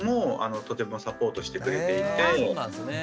そうなんですね。